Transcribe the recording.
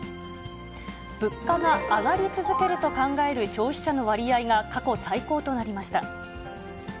物価が上がり続けると考える消費者の割合が、過去最高となりました。